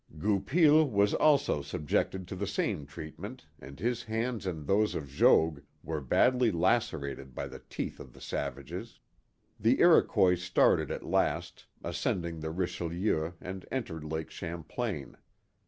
Goupil was also subjected to the same treatment and his hands and those of Jogues were badly lacerated by the teeth of the savages. The Iroquois started at last, ascending the Richelieu and entered Lake Champlain.